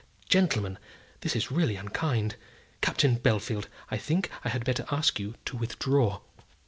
gentlemen! this is really unkind. Captain Bellfield, I think I had better ask you to withdraw."